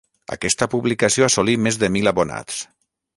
Aquesta publicació assolí més de mil abonats.